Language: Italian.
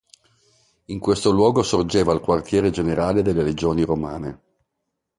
In questo luogo sorgeva il quartiere generale delle Legioni Romane.